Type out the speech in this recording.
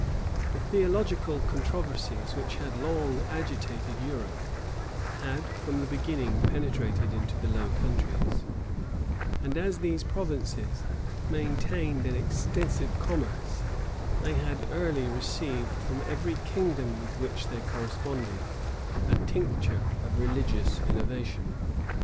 The theological controversies which had long agitated Europe, had from the beginning penetrated into the Low Countries; and as these provinces maintained an extensive commerce, they had early received, from every kingdom with which they corresponded, a tincture of religious innovation.